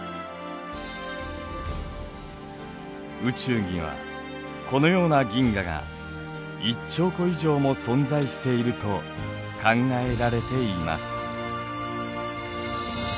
宇宙にはこのような銀河が１兆個以上も存在していると考えられています。